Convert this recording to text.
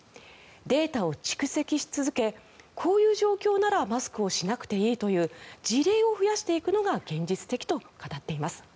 データを蓄積し続けこういう状況ならマスクをしなくていいという事例を増やしていくのが現実的と語っています。